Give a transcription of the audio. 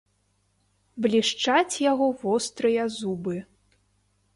Блішчаць яго вострыя зубы.